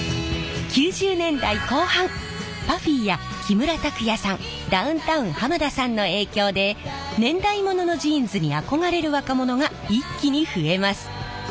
９０年代後半ＰＵＦＦＹや木村拓哉さんダウンタウン浜田さんの影響で年代物のジーンズに憧れる若者が一気に増えます。